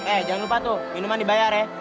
eh jangan lupa tuh minuman dibayar ya